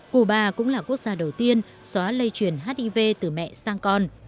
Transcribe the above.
cuba cũng là quốc gia đầu tiên xóa lây truyền hiv từ mẹ sang con